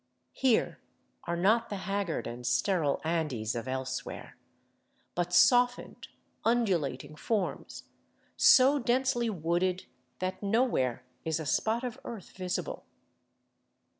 Here are not the 474 A FORGOTTEN CITY OF THE ANDES haggard and sterile Andes of elsewhere, but softened, undulating forms, so densely wooded that nowhere is a spot of earth visible.